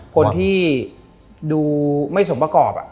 คนที่ดูไม่สมประกอบ